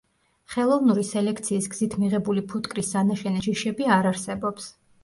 ხელოვნური სელექციის გზით მიღებული ფუტკრის სანაშენე ჯიშები არ არსებობს.